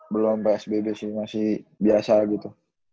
belum psbb sih masih biasa gitu